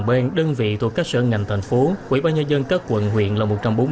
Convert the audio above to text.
bang đơn vị thuộc các sở ngành thành phố của ủy ban nhân dân các quận huyện là một trăm bốn mươi hai